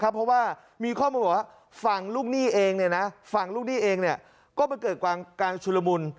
เพราะว่ามีข้อมูลบอกว่าฝั่งลูกหนี้เองฝั่งลูกหนี้เองก็มันเกิดการชุลมุน